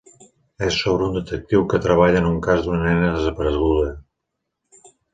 És sobre un detectiu que treballa en un cas d'una nena desapareguda.